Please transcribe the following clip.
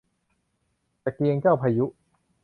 ตะเกียงเจ้าพายุ